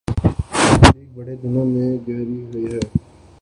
نون league برے دنوں میں گھری ہوئی ہے۔